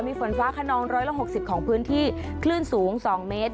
มีฝนฟ้าคนองร้อยละหกสิบของพื้นที่คลื่นสูงสองเมตร